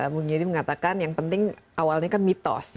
mungyiri mengatakan yang penting awalnya kan mitos